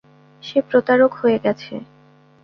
সে প্রতারক হয়ে গেছে।